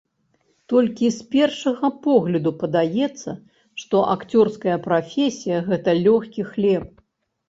Толькі з першага погляду падаецца, што акцёрская прафесія гэта лёгкі хлеб.